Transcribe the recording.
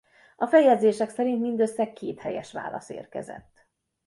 A feljegyzések szerint mindössze két helyes válasz érkezett.